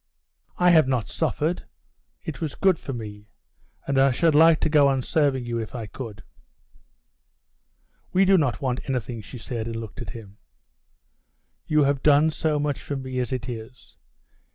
"I have not suffered. It was good for me, and I should like to go on serving you if I could." "We do not want anything," she said, and looked at him. "You have done so much for me as it is.